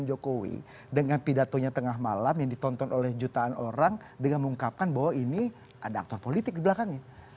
jokowi dengan pidatonya tengah malam yang ditonton oleh jutaan orang dengan mengungkapkan bahwa ini ada aktor politik di belakangnya